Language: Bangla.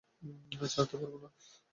ছাড়তে পারব না।